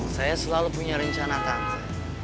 saya selalu punya rencana kami